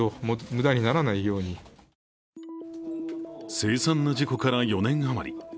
凄惨な事故から４年余り。